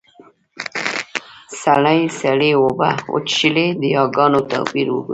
سړي سړې اوبۀ وڅښلې . د ياګانو توپير وګورئ!